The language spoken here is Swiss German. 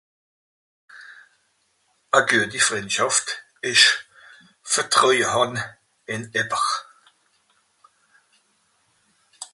A güeti Frìndschàft ìsch, vertröïe hàn ìn äbber.